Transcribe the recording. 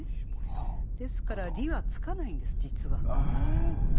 ですから「り」はつかないんです実は。